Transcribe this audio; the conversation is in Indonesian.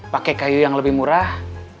pakai kayu yang lebih murah